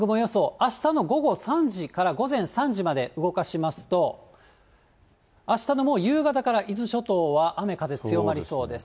あしたの午後３時から午前３時まで動かしますと、あしたのもう夕方から、伊豆諸島は雨、風強まりそうです。